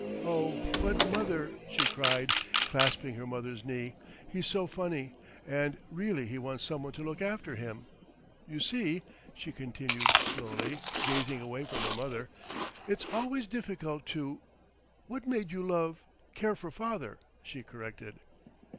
Oh! but mother," she cried, clasping her mother's knee, "he's so funny, and really he wants someone to look after him. You see," she continued slowly, gazing away from her mother, "it's always difficult to What made you love care for father?" she corrected.